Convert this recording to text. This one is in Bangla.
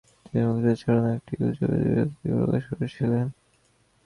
তিনি মুখতারের ছড়ানো একটি গুজবে বিরক্তি প্রকাশ করেছিলেন।